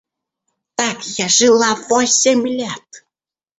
Так я жила восемь лет.